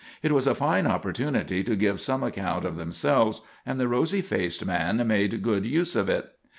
It was a fine opportunity to give some account of themselves, and the rosy faced man made good use of it.